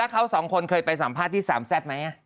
เขาสองคนเคยไปสัมภาษณ์ที่สามแซ่บไหม